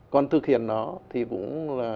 còn thực hiện nó thì cũng